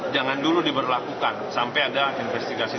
jangan dulu diberlakukan sampai ada investigasi